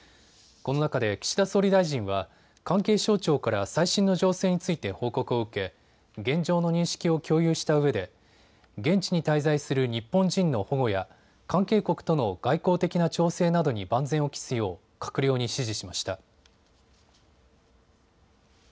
この中で岸田総理大臣は関係省庁から最新の情勢について報告を受け現状の認識を共有したうえで現地に滞在する日本人の保護や関係国との外交的な調整などに万全を期すよう閣僚に指示しました。